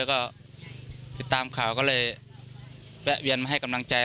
แล้วก็ติดตามข่าวก็เลยแวะเวียนมาให้กำลังใจ